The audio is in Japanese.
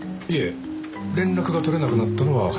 連絡がとれなくなったのは初めてです。